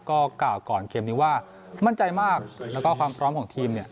ก็กล่าวก่อนเกมนี้ว่ามั่นใจมากแล้วก็ความพร้อมของทีมเนี่ย